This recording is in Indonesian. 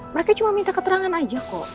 mereka cuma minta keterangan aja kok